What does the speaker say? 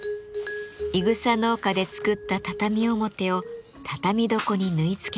いぐさ農家で作った畳表を畳床に縫い付けます。